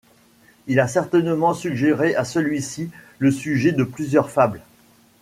Il a certainement suggéré à celui-ci le sujet de plusieurs fables.